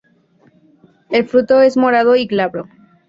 El fruto es morado y glabro.